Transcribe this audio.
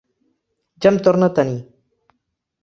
Ja em torna a tenir.